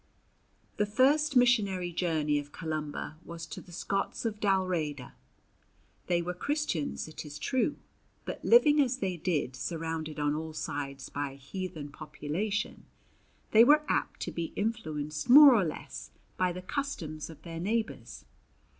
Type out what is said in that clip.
The first missionary journey of Columba was to the Scots of Dalriada. They were Christians it is true, but living as they did surrounded on all sides by a heathen population, they were apt to be influenced more or less by the customs of their neighbours.